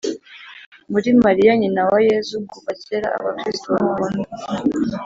muri mariya nyina wa yezu, kuva kera abakristu bakunda